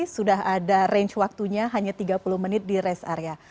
sudah ada range waktunya hanya tiga puluh menit di rest area